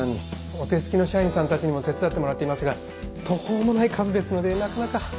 お手隙の社員さんたちにも手伝ってもらっていますが途方もない数ですのでなかなか。